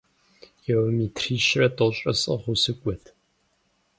Километрищэрэ тӏощӏрэ сӏыгъыу сыкӏуэт.